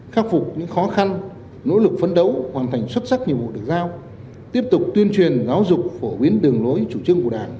khắc phục những khó khăn nỗ lực phấn đấu hoàn thành xuất sắc nhiệm vụ được giao tiếp tục tuyên truyền giáo dục phổ biến đường lối chủ trương của đảng